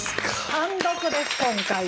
単独です今回は。